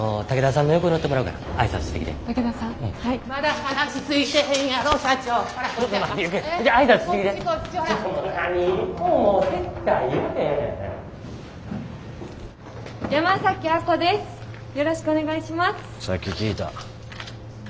さっき聞いた。